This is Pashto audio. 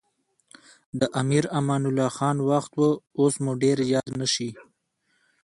د امیر امان الله خان وخت و اوس مو ډېر یاد نه شي.